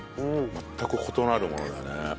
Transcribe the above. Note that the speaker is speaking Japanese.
全く異なるものだね。